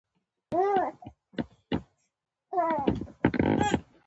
د کور پاکول او جوړول یې پیل کړل.